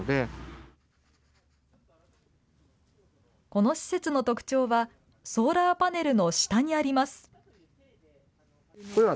この施設の特徴はソーラーパネルの下にあります。